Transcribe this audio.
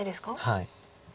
はい。